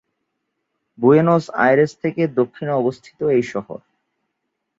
Buenos Aires থেকে দক্ষিণে অবস্থিত এই শহর।